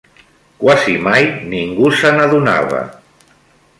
Quasi mai ningú se n'adonava